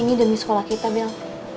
ini demi sekolah kita bilang